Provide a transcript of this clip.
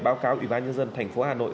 báo cáo ủy ban nhân dân tp hà nội